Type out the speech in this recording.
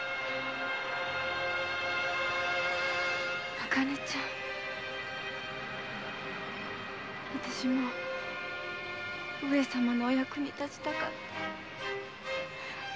茜ちゃんあたしも上様のお役に立ちたかった。